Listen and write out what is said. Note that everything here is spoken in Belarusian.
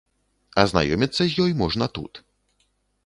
Азнаёміцца з ёй можна тут.